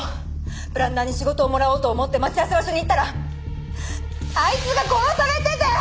プランナーに仕事をもらおうと思って待ち合わせ場所に行ったらあいつが殺されてて！